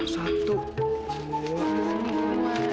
satu dua tiga lima